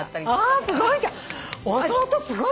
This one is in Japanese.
弟すごいじゃん。